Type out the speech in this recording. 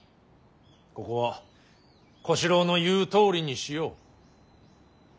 ここは小四郎の言うとおりにしよう。